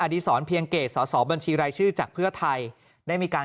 ดีศรเพียงเกตสอสอบัญชีรายชื่อจากเพื่อไทยได้มีการ